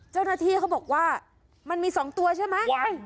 เจ้าหน้าที่เขาบอกว่ามันมี๒ตัวใช่ไหม